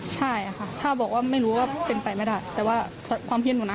ใช่ค่ะถ้าบอกว่าไม่รู้ว่าเป็นไปไม่ได้แต่ว่าความเฮียนหนูนะ